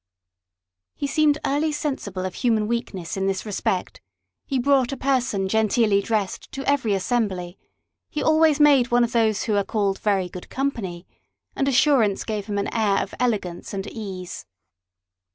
He seemed early sensible of human weakness in this respect ; he brought a person genteelly dressed to every assembly : he always made one of those who are called very good company, and assurance gave him an air of elegance and ease.